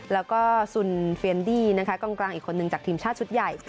แล้วก็สุนเฟียนดี้นะคะกองกลางอีกคนนึงจากทีมชาติชุดใหญ่